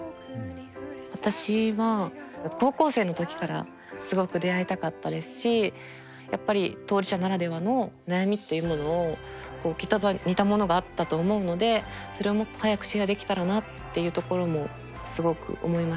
私は高校生の時からすごく出会いたかったですしやっぱり当事者ならではの悩みっていうものをきっと似たものがあったと思うのでそれをもっと早くシェアできたらなっていうところもすごく思いました。